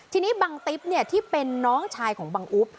ทีนี้บังติ๊บที่เป็นน้องชายของบังอุ๊บ